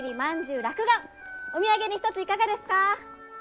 お土産に一ついかがですか？